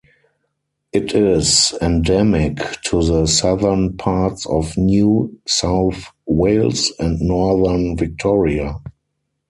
It is endemic to the southern parts of New South Wales and northern Victoria.